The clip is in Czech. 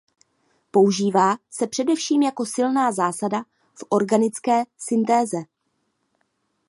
Používá se především jako silná zásada v organické syntéze.